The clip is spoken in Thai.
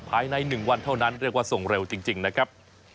ภายใน๑วันเท่านั้นเรียกว่าส่งเร็วจริงนะครับ